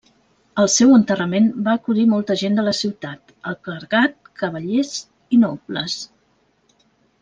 Al seu enterrament va acudir molta gent de la ciutat, el clergat, cavallers i nobles.